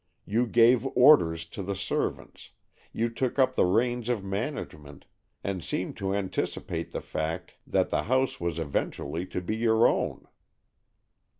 You gave orders to the servants, you took up the reins of management, and seemed to anticipate the fact that the house was eventually to be your own."